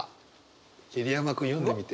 桐山君読んでみて。